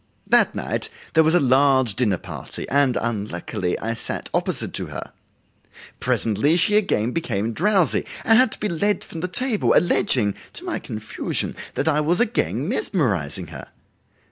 That night there was a large dinner party, and, unluckily, I sat opposite to her. Presently she again became drowsy, and had to be led from the table, alleging, to my confusion, that I was again mesmerizing her.